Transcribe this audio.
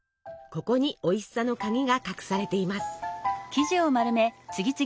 ここにおいしさの鍵が隠されています。